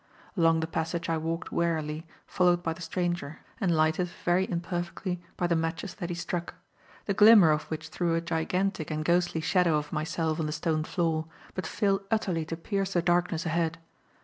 Along the passage I walked warily, followed by the stranger and lighted, very imperfectly, by the matches that he struck; the glimmer of which threw a gigantic and ghostly shadow of myself on the stone floor, but failed utterly to pierce the darkness ahead.